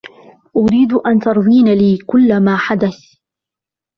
أريد أن تروين لي كلّ ما حدث.